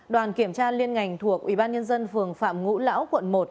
đoàn kiểm tra liên ngành thuộc ủy ban nhân dân phường phạm ngũ lão quận một